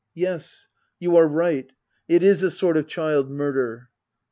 Yes, you are right. It is a sort of child murder.